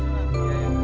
kamu harus berjaga